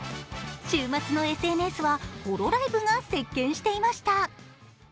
週末のＳＮＳはホロライブが席けんしていました。